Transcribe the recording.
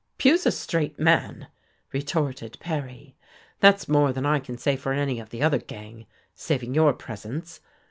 "Pugh's a straight man," retorted Perry. "That's more than I can say for any of the other gang, saving your presence.